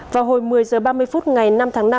vào hồi một mươi h ba mươi phút ngày năm tháng năm